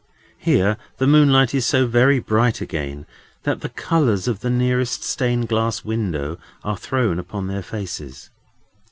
Here, the moonlight is so very bright again that the colours of the nearest stained glass window are thrown upon their faces.